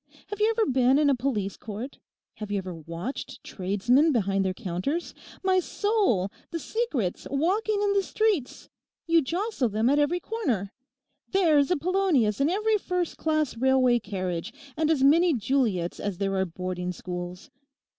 Have you ever been in a Police Court? Have you ever watched tradesmen behind their counters? My soul, the secrets walking in the streets! You jostle them at every corner. There's a Polonius in every first class railway carriage, and as many Juliets as there are boarding schools.